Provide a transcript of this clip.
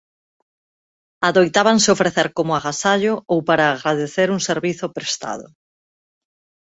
Adoitábanse ofrecer como agasallo ou para agradecer un servizo prestado.